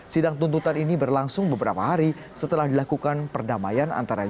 sidang tuntutan ini berlangsung beberapa hari setelah dilakukan perdamaian antara